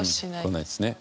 こないですね。